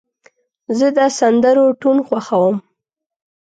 زه د سندرو ټون خوښوم.